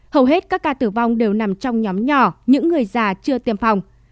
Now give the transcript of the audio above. hầu hết các ca tử vong đều nằm trong nhóm nhỏ những người già chưa tiêm phòng